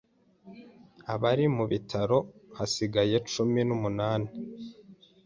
abari mu bitaro hasigaye cumi numunani